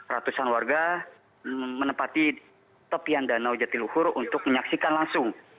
ratusan warga menempati tepian danau jatiluhur untuk menyaksikan langsung